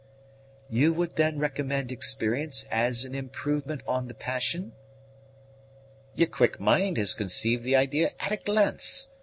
"You would then recommend experience as an improvement on the passion?" "Your quick mind has conceived the idea at a glance.